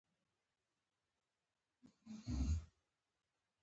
چار مغز د افغانستان د ملي هویت یوه نښه ده.